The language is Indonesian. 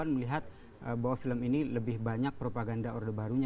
melihat bahwa film ini lebih banyak propaganda orde barunya